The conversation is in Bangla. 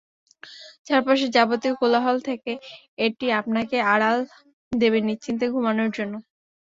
চারপাশের যাবতীয় কোলাহল থেকে এটি আপনাকে আড়াল দেবে নিশ্চিন্তে ঘুমানোর জন্য।